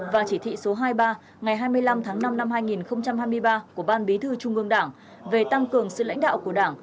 và chỉ thị số hai mươi ba ngày hai mươi năm tháng năm năm hai nghìn hai mươi ba của ban bí thư trung ương đảng về tăng cường sự lãnh đạo của đảng